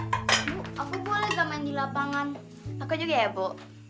ibu aku boleh gak main di lapangan aku juga ya bu